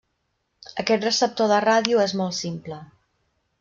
Aquest receptor de ràdio és molt simple.